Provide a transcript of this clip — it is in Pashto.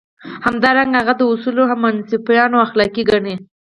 همدارنګه هغه دا اصول منصفانه او اخلاقي ګڼي.